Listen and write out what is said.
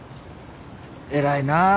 偉いな。